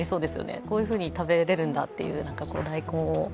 こういうふうに食べれるんだって、大根を。